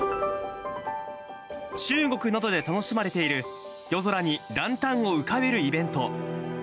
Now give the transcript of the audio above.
中国などで楽しまれている、夜空にランタンを浮かべるイベント。